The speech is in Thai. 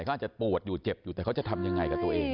เขาอาจจะปวดอยู่เจ็บอยู่แต่เขาจะทำยังไงกับตัวเอง